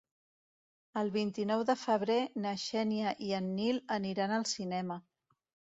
El vint-i-nou de febrer na Xènia i en Nil aniran al cinema.